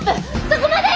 そこまで！